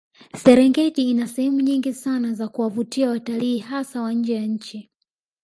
Serengeti ina sehemu nyingi Sana za kuwavutia watalii hasa wa nje ya nchi